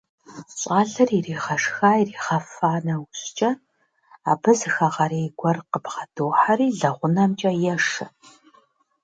ЩӀалэр ирагъэшха-ирагъэфа нэужькӀэ, абы зы хэгъэрей гуэр къыбгъэдохьэри лэгъунэмкӀэ ешэ.